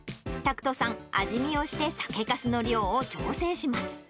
拓人さん、味見をして、酒かすの量を調整します。